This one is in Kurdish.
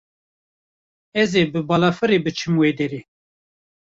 Ez ê bi balafirê biçim wê derê.